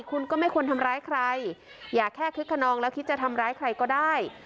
คุณก็ไม่ควรทำร้ายใครอย่าแค่คึกขนองแล้วคิดจะทำร้ายใครก็ได้